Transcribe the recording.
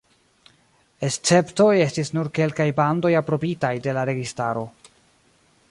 Esceptoj estis nur kelkaj bandoj aprobitaj de la registaro.